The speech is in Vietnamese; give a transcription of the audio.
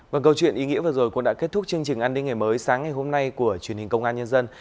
và câu chuyện ý nghĩa vừa rồi cũng đã kết thúc chương trình an ninh ngày mới sáng ngày hôm nay của truyền hình công an nhân dân